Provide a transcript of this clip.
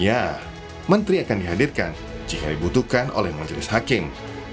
ya menteri akan dihadirkan jika dibutuhkan oleh majelis hakim